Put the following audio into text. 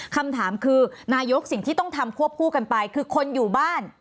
คำถามคือนายกสิ่งที่ต้องทำควบคู่กันไปคือคนอยู่บ้าน